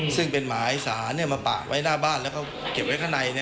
ซึ่งเป็นหมายสารมาปะไว้หน้าบ้านแล้วก็เก็บไว้ข้างใน